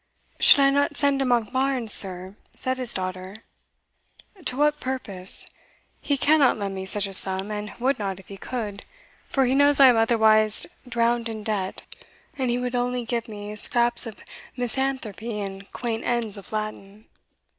"Should I not send to Monkbarns, sir?" said his daughter. "To what purpose? He cannot lend me such a sum, and would not if he could, for he knows I am otherwise drowned in debt; and he would only give me scraps of misanthropy and quaint ends of Latin."